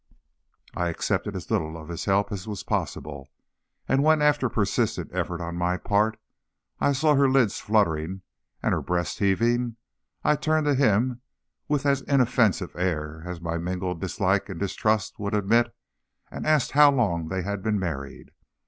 I accepted as little of his help as was possible, and when, after persistent effort on my part, I saw her lids fluttering and her breast heaving, I turned to him with as inoffensive an air as my mingled dislike and distrust would admit, and asked how long they had been married.